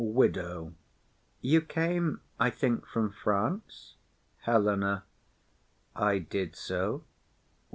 WIDOW. You came, I think, from France? HELENA. I did so.